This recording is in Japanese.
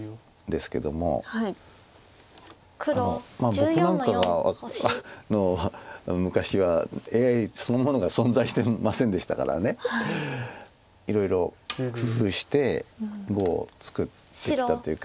僕なんかが昔はＡＩそのものが存在してませんでしたからいろいろ工夫して碁を作ってきたというか。